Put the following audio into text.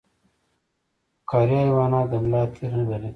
بې فقاریه حیوانات د ملا تیر نلري